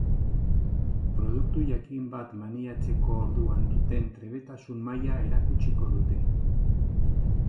Produktu jakin bat maneiatzeko orduan duten trebetasun maila erakutsiko dute.